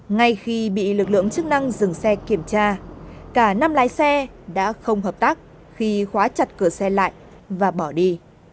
ngay khi bị lực lượng chức năng dừng xe kiểm tra cả năm lái xe đã không hợp tác khi khóa chặt cửa xe lại và bỏ đi